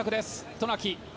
渡名喜。